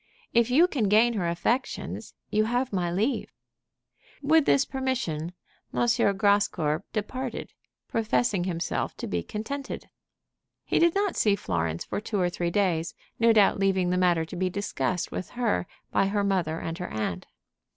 If you can gain her affections, you have my leave." With this permission M. Grascour departed, professing himself to be contented. He did not see Florence for two or three days, no doubt leaving the matter to be discussed with her by her mother and her aunt.